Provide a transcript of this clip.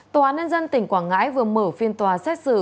tòa án nhân dân tỉnh quảng ngãi vừa mở phiên tòa xét xử